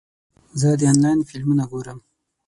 زه د انلاین فلمونه ګورم.